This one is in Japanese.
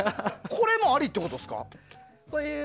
これもありってことですか？